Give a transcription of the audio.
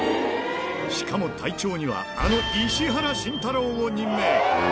しかも隊長には、あの石原慎太郎を任命。